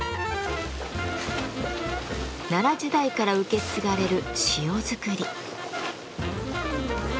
奈良時代から受け継がれる塩作り。